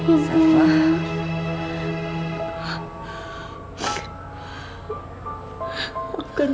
bapak yang diberi kekuatan